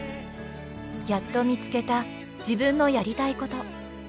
やっと見つけた自分のやりたいこと。